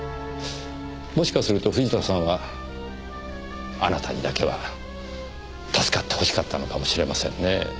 もしかすると藤田さんはあなたにだけは助かってほしかったのかもしれませんねぇ。